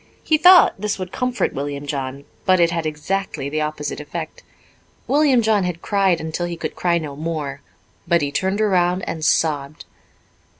He thought this would comfort William John, but it had exactly the opposite effect. William John had cried until he could cry no more, but he turned around and sobbed.